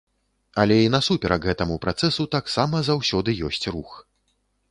Але і насуперак гэтаму працэсу таксама заўсёды ёсць рух.